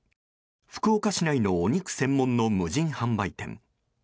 福岡市内のお肉専門の無人販売店。